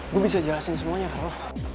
gua bisa jelasin semuanya carlo